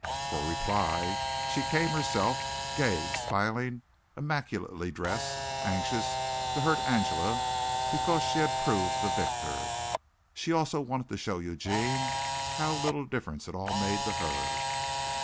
For reply she came herself, gay, smiling, immaculately dressed, anxious to hurt Angela because she had proved the victor. She also wanted to show Eugene how little difference it all made to her.